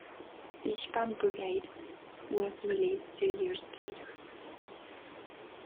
"Dishpan Brigade" was released two years later.